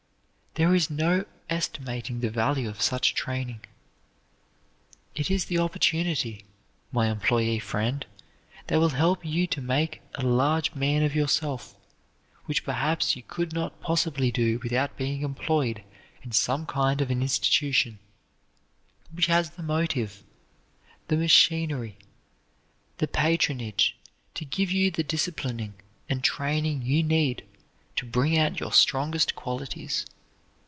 There is no estimating the value of such training. It is the opportunity, my employee friend, that will help you to make a large man of yourself, which, perhaps, you could not possibly do without being employed in some kind of an institution which has the motive, the machinery, the patronage to give you the disciplining and training you need to bring out your strongest qualities.